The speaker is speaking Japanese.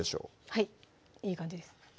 はいいい感じです